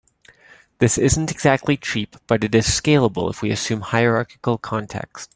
This isn't exactly cheap, but it is scalable if we assume hierarchical contexts.